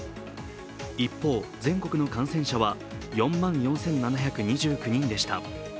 一方、全国の感染者は４万４７２９人でした。